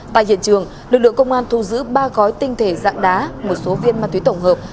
tại hiện trường lực lượng công an thu giữ ba gói tinh thể dạng đá một số viên ma túy tổng hợp